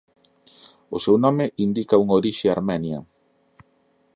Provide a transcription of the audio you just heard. O seu nome indica unha orixe armenia.